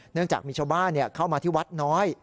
เนื่องจากมีชาวบ้านเข้ามาที่วัดน้อย